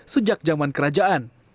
sejak zaman kerajaan